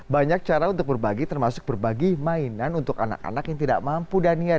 banyak cara untuk berbagi termasuk berbagi mainan untuk anak anak yang tidak mampu daniar